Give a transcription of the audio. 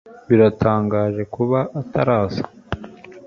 Biratangaje kuba ataraza